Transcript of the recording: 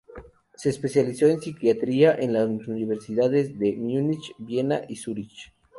Se especializó en psiquiatría en las universidades de Múnich, Viena y Zúrich.